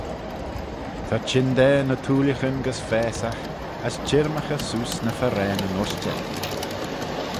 Ta chyndaa ny thooillaghyn gys faasagh as chyrmaghey seose ny farraneyn-ushtey.